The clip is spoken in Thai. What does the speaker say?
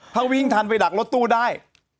ถ้าวิ่งทันไปดักรถตู้ได้